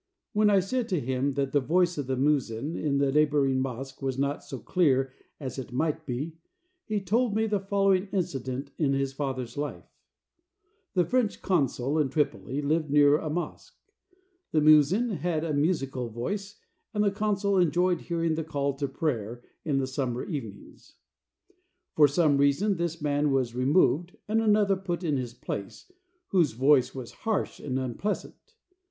When I said to him that the voice of the muezzin in the neighboring mosque was not so clear as it might be, he told me the following incident in his father's life: The French consul in Tripoli lived near a mosque. The muezzin had a musical voice, and the consul enjoyed hearing the call to prayer in the summer evenings. For some reason this man was removed and another put in his place, whose voice was harsh and unpleasant.